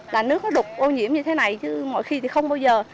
là nước nó đục ô nhiễm như thế này chứ mọi khi thì không bao giờ